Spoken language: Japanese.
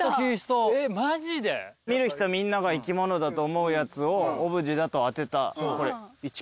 見る人みんなが生き物だと思うやつをオブジェだと当てたこれ。